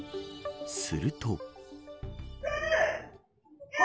すると。